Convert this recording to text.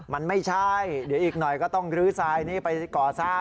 มันไม่ใช่เดี๋ยวอีกหน่อยก็ต้องลื้อทรายนี้ไปก่อสร้าง